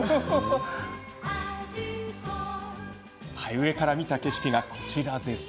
上から見た景色がこちらです。